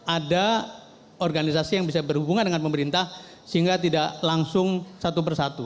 ada organisasi yang bisa berhubungan dengan pemerintah sehingga tidak langsung satu persatu